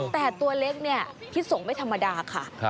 แต่ตัวเล็กที่ส่งไม่ธรรมดาค่ะ